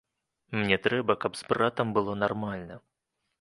Мне трэба, каб з братам было нармальна.